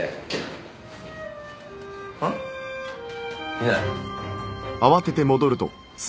いない。